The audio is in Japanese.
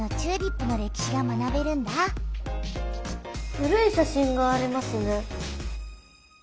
古い写真がありますね。